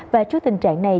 và trước tình trạng này